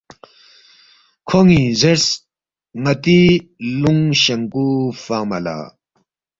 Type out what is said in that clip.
کھون٘ی زیرس، ن٘تی لُونگ شنکُو فنگما لا